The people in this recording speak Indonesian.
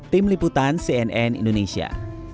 tim liputan cnn indonesia